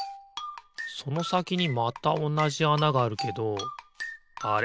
そのさきにまたおなじあながあるけどあれ？